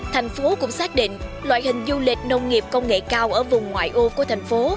thành phố cũng xác định loại hình du lịch nông nghiệp công nghệ cao ở vùng ngoại ô của thành phố